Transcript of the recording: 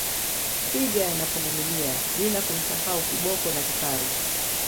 Twiga na Pundamilia bila kumsahau Kiboko na kifaru